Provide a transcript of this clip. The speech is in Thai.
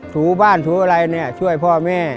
ถูบ้านถูอะไรเนี่ยช่วยพ่อแม่